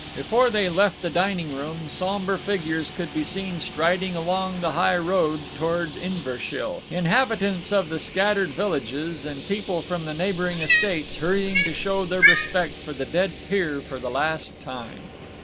Before they left the dining room sombre figures could be seen striding along the high road towards Inverashiel: inhabitants of the scattered villages, and people from the neighbouring estates, hurrying to show their respect to the dead peer for the last time.